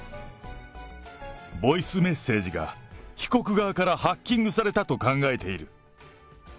ボイスメッセージが被告側からハッキングされたと考えている。